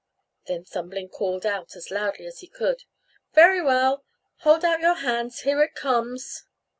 Then Thumbling called out as loudly as he could, "Very well; hold out your hands, here it comes."